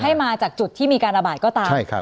ต่อให้มาจากจุดที่มีการระบาดก็ตามใช่ครับ